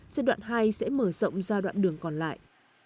giai đoạn hai sẽ mở rộng giai đoạn đường còn lại